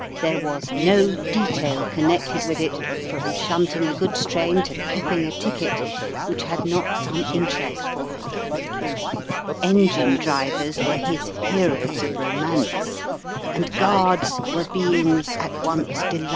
There was no detail connected with it, from shunting a goods train to clipping a ticket, which had not some interest for him; engine drivers were his heroes of 12 Flies Tom, his loved "express" to meet.